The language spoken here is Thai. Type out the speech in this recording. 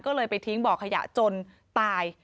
ก็เลยไปทิ้งบ่อขยะจนตาย